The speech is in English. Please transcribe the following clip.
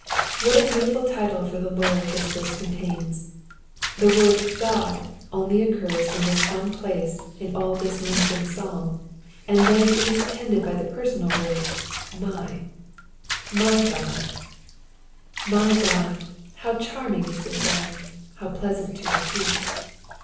What a beautiful title for the Lord this verse contains I The word Qod only occurs in this one place in all this lengthened psalm, and then it is attended by the personal word *^ my" —^* my God." MyGk)d! bow charrolnji^ U the sound 1 . How pleasant to repeat